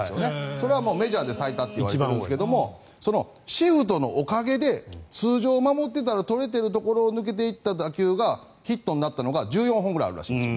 それはメジャーで最多といわれているんですけどシフトのおかげで通常守っていたらとれてるところを抜けていった打球がヒットになったのが１４本ぐらいあるらしいんです。